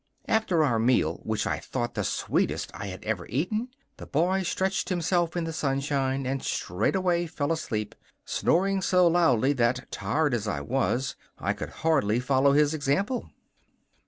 After our meal, which I thought the sweetest I had ever eaten, the boy stretched himself in the sunshine and straightway fell asleep, snoring so loudly that, tired as I was, I could hardly follow his example.